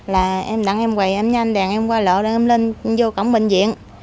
là em đăng em quầy em nhanh đèn em qua lộ em lên vô cổng bệnh viện